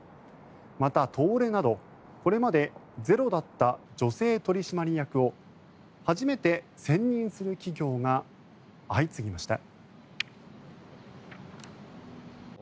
また、東レなどこれまでゼロだった女性取締役を初めて選任する企業が相次ぎました。